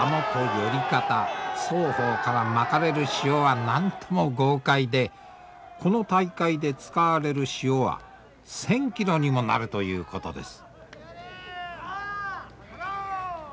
寄方双方からまかれる塩はなんとも豪快でこの大会で使われる塩は１，０００キロにもなるということです。